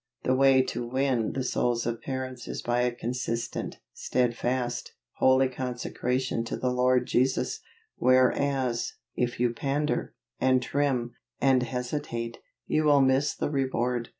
The way to win the souls of parents is by a consistent, steadfast, holy consecration to the Lord Jesus; whereas, if you pander, and trim, and hesitate, you will miss the reward.